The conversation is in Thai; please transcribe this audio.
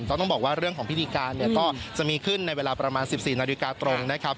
ต้องบอกว่าเรื่องของพิธีการเนี่ยก็จะมีขึ้นในเวลาประมาณ๑๔นาฬิกาตรงนะครับ